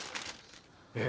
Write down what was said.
ええ。